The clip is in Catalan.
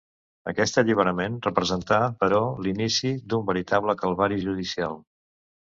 Aquest alliberament representà, però, l'inici d'un veritable calvari judicial.